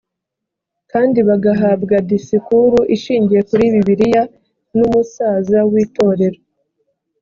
kandi bagahabwa disikuru ishingiye kuri bibiliya n’umusaza w’itorero